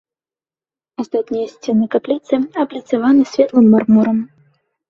Астатнія сцены капліцы абліцаваны светлым мармурам.